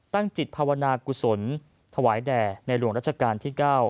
ตั้งจิตภาวนากุศลถวายแด่ในหลวงรัชกาลที่๙